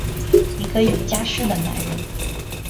一个有家室的男人！